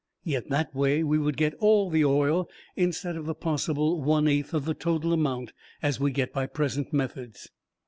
Yet, that way, we would get all the oil, instead of the possible one eighth of the total amount as we get by present methods.